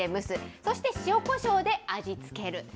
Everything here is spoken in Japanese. そして塩、こしょうで味付ける。